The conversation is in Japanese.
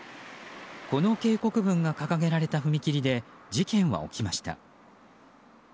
この警告文が掲げられた踏切で事件は起きました。